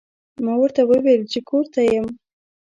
ما ورته وویل چې کور ته یم.